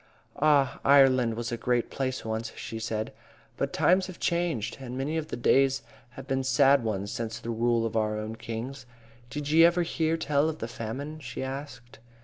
"Ah! Ireland was a great place once," she cried. "But times have changed, and many of the days have been sad ones since the rule of our own kings. Did ye ever hear tell of the famine?" she asked.